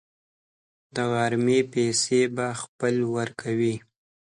د غرمې پیسې به خپله ورکوو.